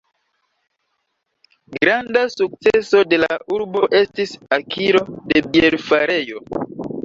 Granda sukceso de la urbo estis akiro de bierfarejo.